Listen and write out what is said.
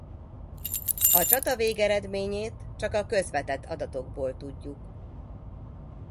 A csata végeredményét csak a közvetett adatokból tudjuk.